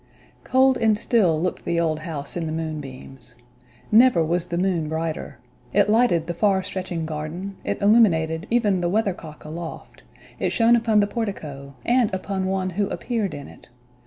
Cold and still looked the old house in the moonbeams. Never was the moon brighter; it lighted the far stretching garden, it illuminated even the weathercock aloft, it shone upon the portico, and upon one who appeared in it.